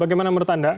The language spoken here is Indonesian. bagaimana menurut anda